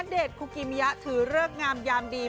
เดชคุกิมิยะถือเลิกงามยามดี